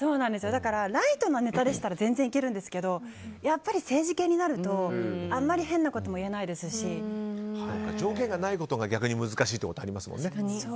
だからライトなネタでしたら全然いけるんですけどやっぱり政治系になると条件がないことが逆に難しいってことありますもんね。